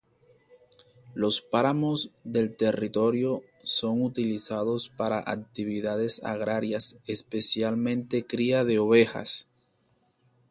Los páramos del territorio son utilizados para actividades agrarias, especialmente cría de ovejas.